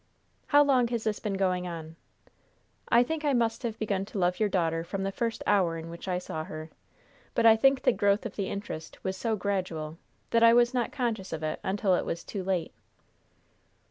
"How long has this been going on?" "I think I must have begun to love your daughter from the first hour in which I saw her; but I think the growth of the interest was so gradual that I was not conscious of it until it was too late."